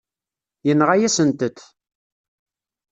Yenɣa-yasent-t.